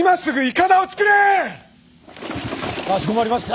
かしこまりました。